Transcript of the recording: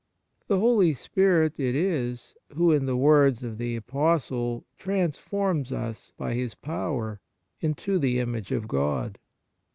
The Holy Spirit it is who, in the words of the Apostle, 1 transforms us by His power into the image of God.